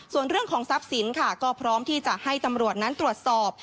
ส่วนเรื่องของทรัพย์สินค่ะก็พร้อมที่จะให้ตำรวจนั้นตรวจสอบ